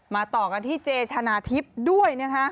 ต่อกันที่เจชนะทิพย์ด้วยนะคะ